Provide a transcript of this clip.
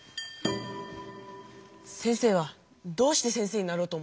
先生はどうして先生になろうと思ったんですか？